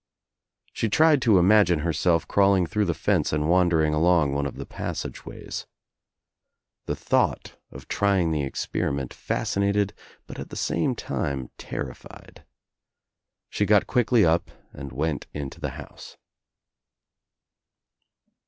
She tried to imagine her self cjawling through the fence and wandering along one of the passageways. The thought of trying the 1 46 THE TRIUMPH OF THE EGG experiment fascinated but at the same time terrified. She got quickly up and went into the house.